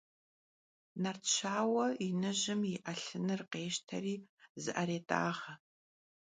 Nartşaue yinıjım yi 'elhınır khêşteri zı'erêt'ağe.